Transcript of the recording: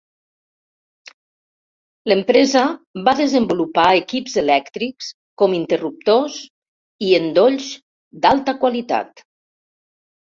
L'empresa va desenvolupar equips elèctrics com interruptors i endolls d'alta qualitat.